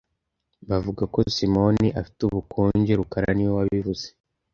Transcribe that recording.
Bavuga ko Simoni afite ubukonje rukara niwe wabivuze